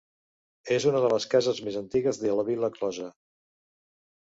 És una de les cases més antigues de la vila closa.